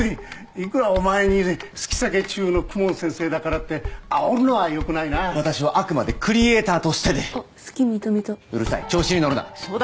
いくらお前に好き避け中の公文先生だからってあおるのはよくないな私はあくまでクリエイターとしてであっ好き認めたうるさい調子に乗るなそうだ